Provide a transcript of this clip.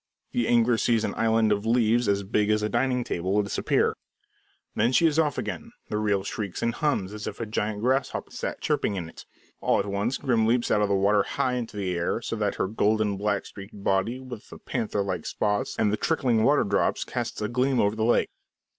The angler sees an island of leaves as big as a dining table disappear. Then she is off again. The reel shrieks and hums as if a giant grasshopper sat chirping in it. All at once, Grim leaps out of the water high into the air, so that her golden, black streaked body, with the panther like spots and the trickling water drops, casts a gleam over the lake.